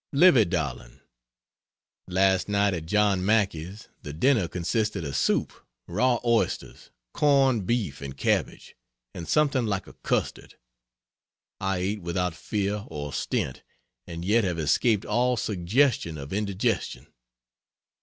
LIVY DARLING, Last night at John Mackay's the dinner consisted of soup, raw oysters, corned beef and cabbage, and something like a custard. I ate without fear or stint, and yet have escaped all suggestion of indigestion.